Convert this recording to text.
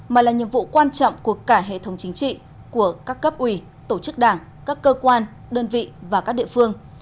mà là nhiệm vụ quan trọng của cả hệ thống chính trị của các cấp ủy tổ chức đảng các cơ quan đơn vị và các địa phương